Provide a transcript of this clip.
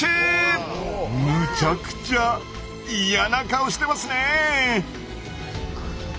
むちゃくちゃ嫌な顔してますね。